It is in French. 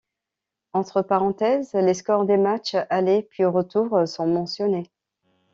Entre parenthèses, les scores des matchs aller puis retour sont mentionnés.